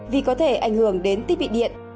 vì có thể ảnh hưởng đến tích bị điện